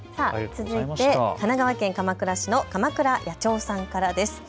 続いて神奈川県鎌倉市の鎌倉野鳥さんからです。